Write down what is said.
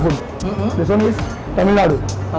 ini adalah makanan tamil nadu